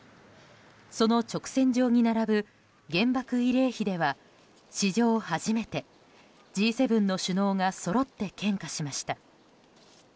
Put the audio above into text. その直線上に並ぶ原爆慰霊碑では史上初めてＧ７の首脳がそろって献花しました。